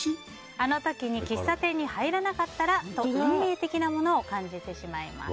あの時に喫茶店に入らなかったらと運命的なものを感じてしまいます。